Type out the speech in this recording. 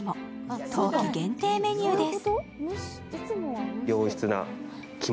冬季限定メニューです。